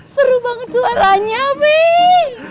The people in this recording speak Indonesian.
seru banget juaranya pih